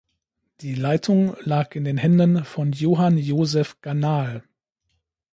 Die Leitung lag in den Händen von Johann Josef Ganahl.